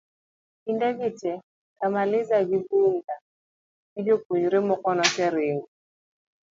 kinde gi te Kamaliza gi Mbunda gi jopuonjre moko noseringo